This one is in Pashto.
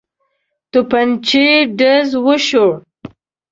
توپنچې ډز وشو.